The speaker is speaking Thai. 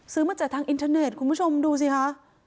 มาจากทางอินเทอร์เน็ตคุณผู้ชมดูสิคะ